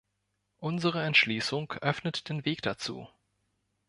Unsere Entschließung öffnet den Weg dazu.